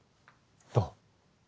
どう？